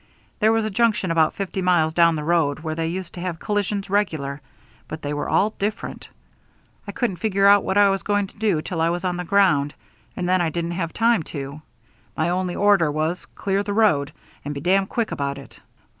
There was a junction about fifty miles down the road where they used to have collisions regular; but they were all different. I couldn't figure out what I was going to do till I was on the ground, and then I didn't have time to. My only order was, 'Clear the road and be damn quick about it.